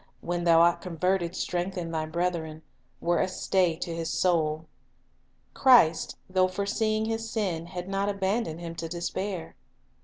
when thou art converted, strengthen converted" thy brethren," were a stay to his soul. Christ, though foreseeing his sin, had not abandoned him to despair.